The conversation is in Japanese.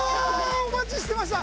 お待ちしてました！